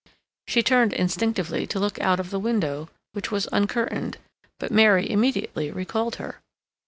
She turned instinctively to look out of the window, which was uncurtained, but Mary immediately recalled her.